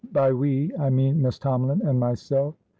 By we I mean Miss Tomalin and myself.